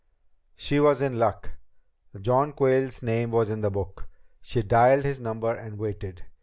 She was in luck. John Quayle's name was in the book. She dialed his number and waited.